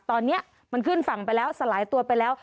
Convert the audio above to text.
ตอนนี้มันขึ้นฝั่งไปแล้วสลายตัวไปแล้ว